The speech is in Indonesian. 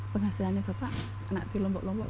penghasilannya bapak kena di lombok lombok